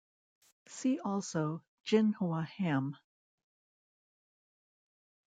"See also Jinhua ham".